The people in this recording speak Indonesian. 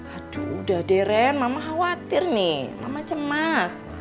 aduh udah deh ren mama khawatir nih mama cemas